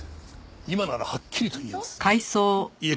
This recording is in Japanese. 今ならはっきりと言えます。